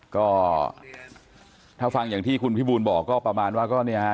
ก็ถ้าฟังอย่างที่คุณพี่บูลบอกก็ประมาณว่า